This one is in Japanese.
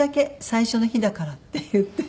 最初の日だから」って言って。